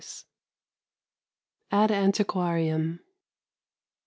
AD ANTIQUARIUM.